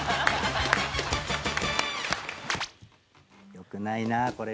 ・よくないなこれ。